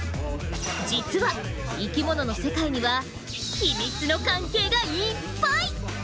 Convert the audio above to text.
実は生きものの世界にはヒミツの関係がいっぱい！